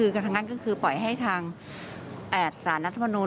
กะทั้งงานก็คือปล่อยให้ทางแอบสารนัฐพนุน